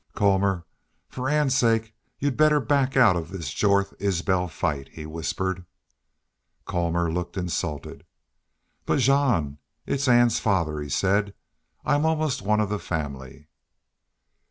"Colmor, for Ann's sake you'd better back out of this Jorth Isbel fight," he whispered. Colmor looked insulted. "But, Jean, it's Ann's father," he said. "I'm almost one of the family."